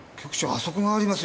あそこがありますよ。